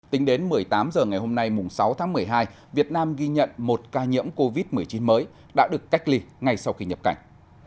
tính đến một mươi tám h ngày hôm nay sáu tháng một mươi hai việt nam ghi nhận một ca nhiễm covid một mươi chín mới đã được cách ly ngay sau khi nhập cảnh